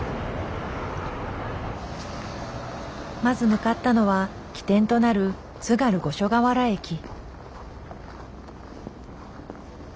まず向かったのは起点となる津軽五所川原駅。